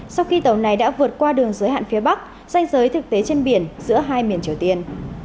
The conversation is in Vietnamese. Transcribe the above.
sau khi tàu này đã vượt qua đường giới hạn phía bắc danh giới thực tế trên biển giữa hai miền triều tiên